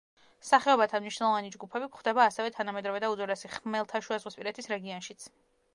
სახეობათა მნიშვნელოვანი ჯგუფები გვხვდება ასევე თანამედროვე და უძველესი ხმელთაშუაზღვისპირეთის რეგიონშიც.